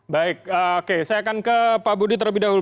baik oke saya akan ke pak budi terlebih dahulu